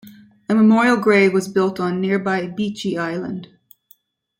A memorial grave was built on nearby Beechey Island.